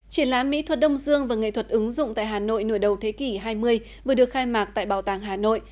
triển lãm mỹ thuật đông dương và nghệ thuật ứng dụng tại hà nội nửa đầu thế kỷ hai mươi vừa được khai mạc tại bảo tàng hà nội